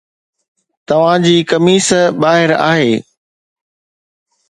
توهان جي قميص ٻاهر آهي